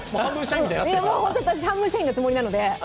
本当に半分社員のつもりなので。